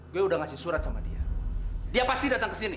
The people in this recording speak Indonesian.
gue udah ngasih surat sama dia dia pasti datang kesini